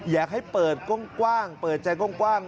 อยากให้เปิดกว้างเปิดใจกว้าง